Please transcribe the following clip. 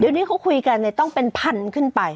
เดี๋ยวนี้เขาคุยกันต้องเป็นพันขึ้นไป